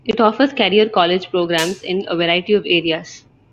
It offers career college programs in a variety of areas.